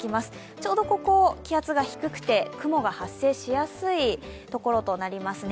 ちょうどここ、気圧が低くて雲が発生しやすいところとなりますね。